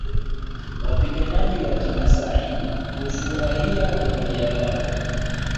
Wapiganaji wa kimaasai hufurahia umoja wao